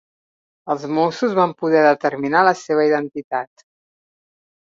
Els mossos van poder determinar la seva identitat.